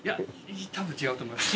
たぶん違うと思います。